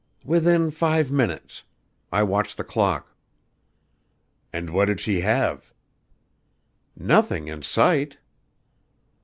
"Within five minutes. I watched the clock." "And what did she have?" "Nothing in sight."